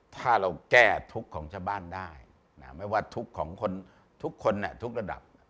ถ้าเราแก้ทุกข์ของชาวบ้านได้ไม่ว่าทุกข์ของคนทุกคนทุกระดับ